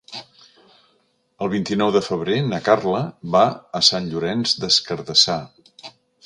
El vint-i-nou de febrer na Carla va a Sant Llorenç des Cardassar.